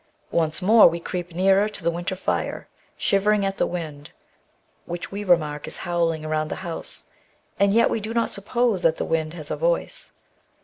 Once more, we creep nearer to the winter fire, shivering at the wind, which we remark is howling around the house, and yet we do not suppose that the wind has a voice.